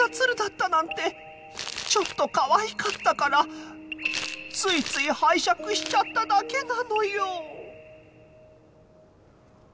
ちょっとかわいかったからついつい拝借しちゃっただけなのよ。